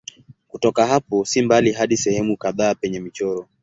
Kutoka hapo si mbali hadi sehemu kadhaa penye michoro.